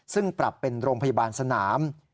ซึ่งปรับเป็นโรงพยาบาลสนาม